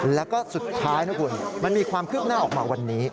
แล้วก็สุดท้ายนะคุณมันมีความคืบหน้าออกมาวันนี้